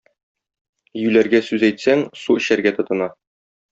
Юләргә сүз әйтсәң, су эчәргә тотына.